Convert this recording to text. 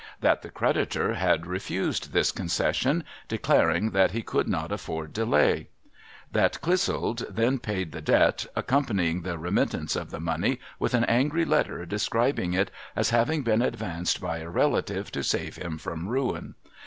That the creditor had refused this concession, declaring that he could not afford delay. That Clissold then paid the debt, accompanying the remittance of the money with an angry letter describing it as having been advanced by a relative to save him from ruin.